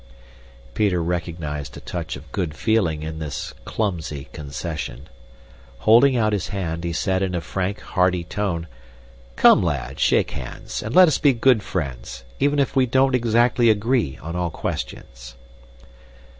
Peter recognized a touch of good feeling in this clumsy concession. Holding out his hand, he said in a frank, hearty tone, "Come, lad, shake hands, and let us be good friends, even if we don't exactly agree on all questions."